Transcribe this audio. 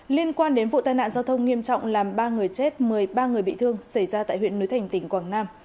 liên quan đến vụ tai nạn giao thông nghiêm trọng làm ba người chết một mươi ba người bị thương xảy ra tại huyện núi thành tỉnh quảng nam